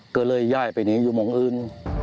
ก็เลยย่ายไปนี๊วมองอื่น